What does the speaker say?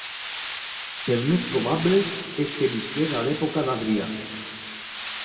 El més probable és que visqués a l'època d'Adrià.